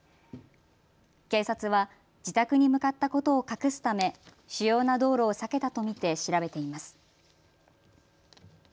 警察は自宅に向かったことを隠すため主要な道路を避けたと見て調べています。